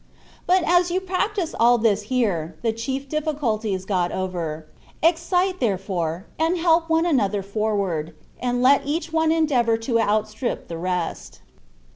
But as you practise all this here, the chief difficulty is got over : excite, there fore, and help one another forward, and let each one endeavour to outstrip the rest.